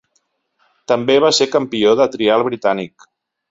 També va ser Campió de trial britànic.